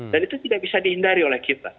dan itu tidak bisa dihindari oleh kita